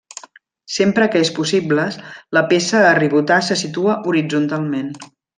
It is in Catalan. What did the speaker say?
Sempre que és possible la peça a ribotar se situa horitzontalment.